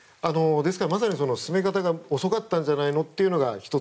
まさに、その進め方が遅かったんじゃないのというのが１つ。